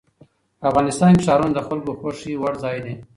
افغانستان کې ښارونه د خلکو خوښې وړ ځای دی.